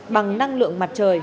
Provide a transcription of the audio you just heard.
bằng năng lượng mặt trời